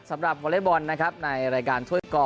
วอเล็กบอลนะครับในรายการถ้วยกอ